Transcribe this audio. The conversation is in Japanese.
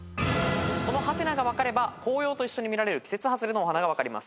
この「？」が分かれば紅葉と一緒に見られる季節外れのお花が分かります。